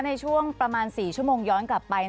ในช่วงประมาณ๔ชั่วโมงย้อนกลับไป